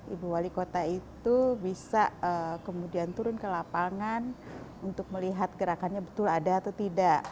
ibu wali kota itu bisa kemudian turun ke lapangan untuk melihat gerakannya betul ada atau tidak